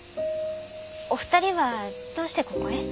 お二人はどうしてここへ？